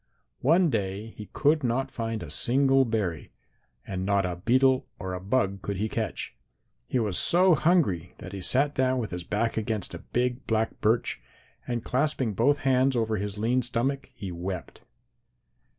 "One day he could not find a single berry and not a beetle or a bug could he catch. He was so hungry that he sat down with his back against a big black birch, and clasping both hands over his lean stomach, he wept.